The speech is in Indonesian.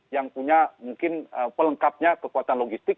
yang punya mungkin pelengkapnya kekuatan logistik